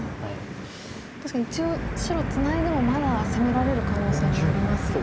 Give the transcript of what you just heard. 確かに一応白ツナいでもまだ攻められる可能性もありますよね。